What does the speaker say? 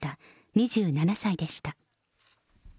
２７歳でした。